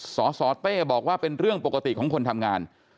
สสเต้บอกว่าเป็นเรื่องปกติของคนทำงาน